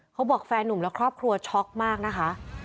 เขาบอกแฟนหนุ่มและครอบครัวช็อกมากนะคะ